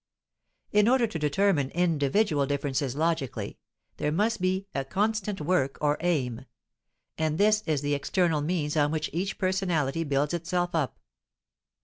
In order to determine individual differences logically, there must be a constant work or aim; and this is the external means on which each personality builds itself up.